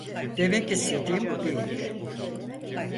Demek istediğim bu değildi.